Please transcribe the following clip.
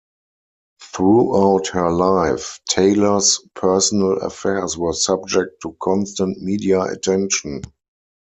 Throughout her life, Taylor's personal affairs were subject to constant media attention.